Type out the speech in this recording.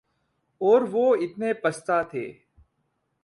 اور وہ اتنے پستہ تھے